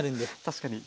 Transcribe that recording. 確かに。